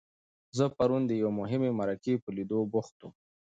زه پرون د یوې مهمې مرکې په لیدو بوخت وم.